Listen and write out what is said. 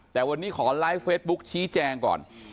แต่วันนี้ขอไลฟ์เฟซบุ๊คชี้แจงก่อน